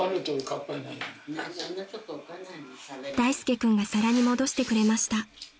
［大介君が皿に戻してくれました］